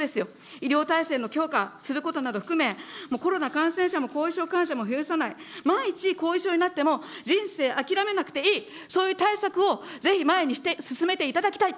医療体制の強化することなど含め、コロナ感染者も後遺症患者も増やさない、万一後遺症になっても人生諦めなくていい、そういう対策をぜひ前にして、進めていただきたい。